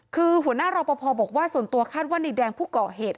คือหัวหน้ารอปภบอกว่าส่วนตัวคาดว่าในแดงผู้ก่อเหตุ